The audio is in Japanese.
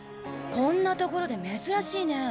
こんな所で珍しいね。